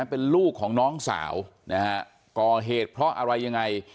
เป็นลูกของน้องสาวนะฮะก่อเหตุเพราะอะไรยังไง